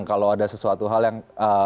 kalau ada sesuatu hal yang